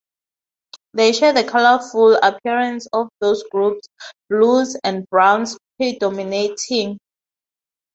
They share the colourful appearance of those groups, blues and browns predominating.